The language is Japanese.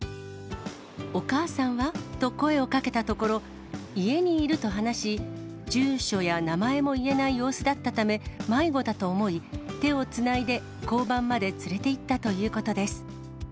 お母さんは？と声をかけたところ、家にいると話し、住所や名前も言えない様子だったため、迷子だと思い、手をつないで交番まで連れていったということです。